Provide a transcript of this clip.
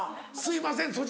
「すいません